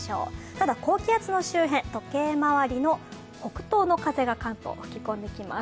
ただ高気圧の周辺、時計回りの北東の風が関東、吹き込んできます。